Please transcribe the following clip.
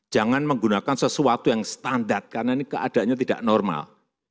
jangan menggunakan sesuatu yang standar karena ini keadaannya tidak normal